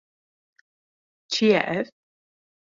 Çi ye ev?